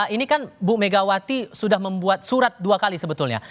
ini kan bu megawati sudah membuat surat dua kali sebetulnya